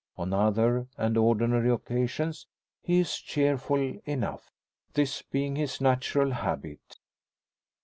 On other and ordinary occasions he is cheerful enough, this being his natural habit.